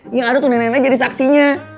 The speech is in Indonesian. nggak ada tuh nenek nenek jadi saksinya